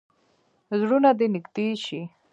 زړونه دې نږدې شي.